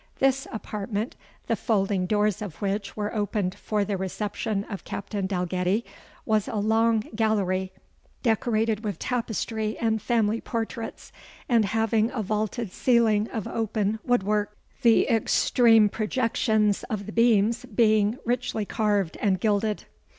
This apartment, the folding doors of which were opened for the reception of Captain Dalgetty, was a long gallery, decorated with tapestry and family portraits, and having a vaulted ceiling of open wood work, the extreme projections of the beams being richly carved and gilded.